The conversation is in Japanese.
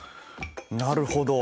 なるほど。